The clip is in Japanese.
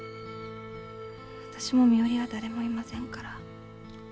私も身よりは誰もいませんから。